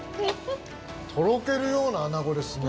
とろけるような穴子ですね。